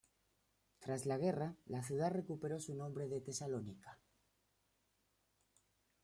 Tras la guerra, la ciudad recuperó su nombre de "Tesalónica".